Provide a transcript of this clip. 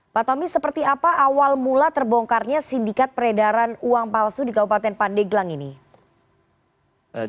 pak tommy seperti apa awal mula terbongkarnya sindikat peredaran uang palsu di kabupaten pandeglang ini